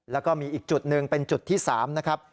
แล้วก็มีอีกจุดหนึ่งเป็นจุดที่๓นะครับ